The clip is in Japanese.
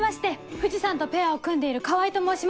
藤さんとペアを組んでいる川合と申します！